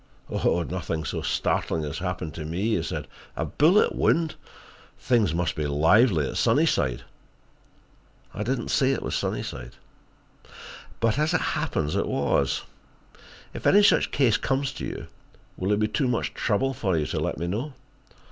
"Nothing so startling has happened to me," he said. "A bullet wound! Things must be lively at Sunnyside." "I didn't say it was at Sunnyside. But as it happens, it was. If any such case comes to you, will it be too much trouble for you to let me know?"